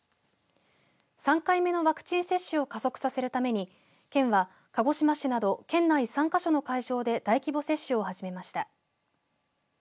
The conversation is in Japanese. ３回目のワクチン接種を加速させるために県は鹿児島市など県内３か所の会場で大規模接種を始めました。